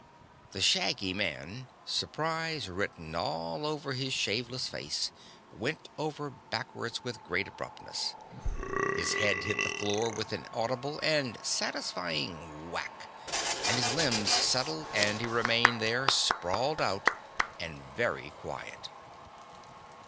The shaggy man, surprise written all over his shaveless face, went over backward with great abruptness. His head hit the floor with an audible and satisfying whack, and then his limbs settled and he remained there, sprawled out and very quiet.